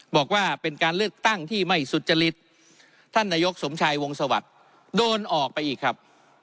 บอกว่าเป็นการเลือกตั้งที่ไม่สุจริตท่านนายกสมชัยวงสวัสดิ์โดนออกไปอีกครับ